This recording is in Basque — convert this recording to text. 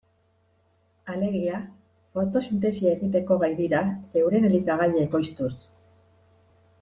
Alegia, fotosintesia egiteko gai dira, euren elikagaia ekoiztuz.